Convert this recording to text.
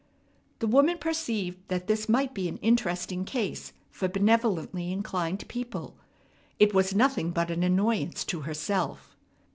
The woman perceived that this might be an interesting case for benevolently inclined people. It was nothing but an annoyance to herself.